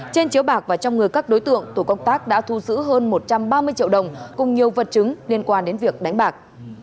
trên chiếu bạc và trong người các đối tượng tổ công tác đã thu giữ hơn một trăm ba mươi triệu đồng cùng nhiều vật chứng liên quan đến việc đánh bạc